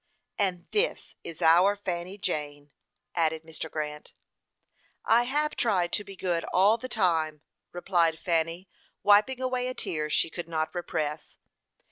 "And this is our Fanny Jane!" added Mr. Grant. "I have tried to be good all the time," replied Fanny, wiping away a tear she could not repress.